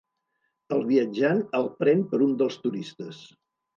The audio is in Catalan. El viatjant el pren per un dels turistes.